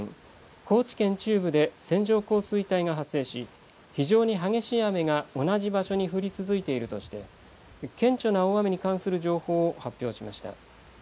高知県中部で線状降水帯が発生し非常に激しい雨が同じ場所に降り続いているとして顕著な大雨に関する情報を発表しました。